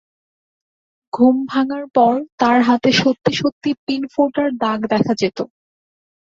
ঘুম ভাঙার পর তার হাতে সত্যি-সত্যি পিন ফোটার দাগ দেখা যেত!